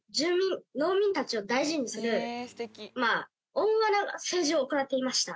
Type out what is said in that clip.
温和な政治を行っていました。